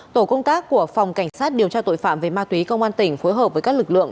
tổ công tác của phòng cảnh sát điều tra tội phạm về ma túy công an tỉnh phối hợp với các lực lượng